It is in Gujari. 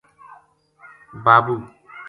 بابو